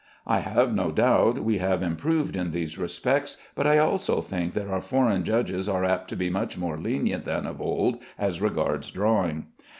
I have no doubt we have improved in these respects, but I also think that our foreign judges are apt to be much more lenient than of old as regards drawing.